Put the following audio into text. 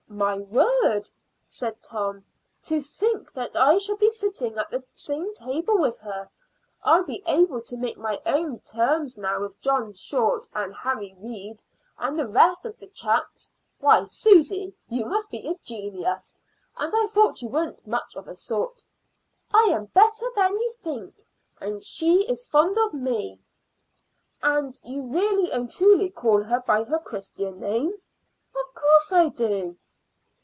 "My word!" said Tom. "To think that I shall be sitting at the same table with her! I'll be able to make my own terms now with John Short and Harry Reid and the rest of the chaps. Why, Susy, you must be a genius, and I thought you weren't much of a sort." "I am better than you think; and she is fond of me." "And you really and truly call her by her Christian name?" "Of course I do."